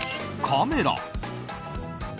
カメラ。